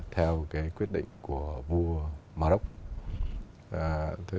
theo cái quyết định của vua morocco